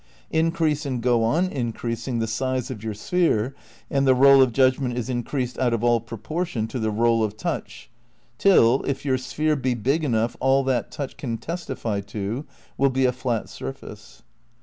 Increase and go on increasing the size of your sphere and the role of judgment is increased out of all proportion to the role of touch, till, if your sphere be big enough all that touch can testify to will be a flat surface.